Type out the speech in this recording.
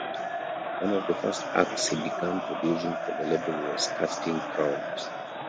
One of the first acts he began producing for the label was Casting Crowns.